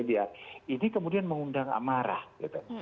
dia ini kemudian mengundang amarah gitu